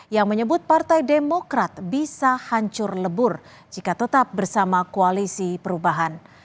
yang menyebut partai demokrat bisa hancur lebur jika tetap bersama koalisi perubahan